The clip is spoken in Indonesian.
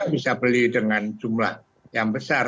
bisa beli dengan jumlah yang besar